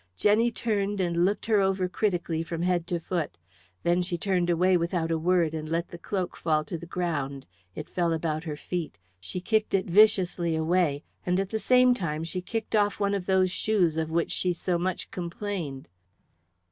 Jenny turned and looked her over critically from head to foot. Then she turned away without a word and let the cloak fall to the ground. It fell about her feet; she kicked it viciously away, and at the same time she kicked off one of those shoes of which she so much complained.